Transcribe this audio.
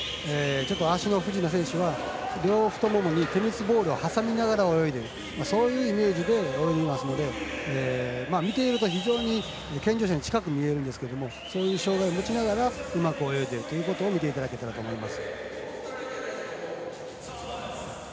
もしくはちょっと足の不自由な選手は両太ももにテニスボールを挟みながら泳いでいるそういうイメージで泳いでいますので見ていると非常に健常者に近く見えるんですけれどもそういう障がいを持ちながらうまく泳いでいるということを思いながら見ていただけたらと思います。